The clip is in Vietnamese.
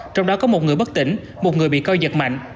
trong đó có một người bất tỉnh một người bị coi giật mạnh